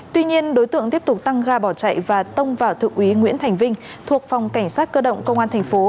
tuy nhiên đối tượng tiếp tục tăng ga bỏ chạy và tông vào thượng úy nguyễn thành vinh thuộc phòng cảnh sát cơ động công an thành phố